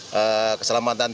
dan keselamatan terakhir